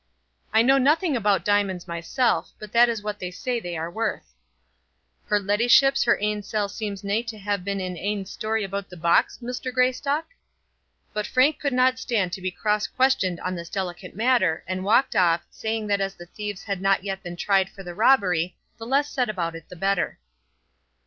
"I know nothing about diamonds myself, but that is what they say they were worth." "Her leddyship's her ain sell seems nae to ha' been in ain story aboot the box, Muster Greystock?" But Frank could not stand to be cross questioned on this delicate matter, and walked off, saying that as the thieves had not yet been tried for the robbery, the less said about it the better.